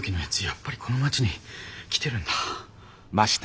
やっぱりこの町に来てるんだ。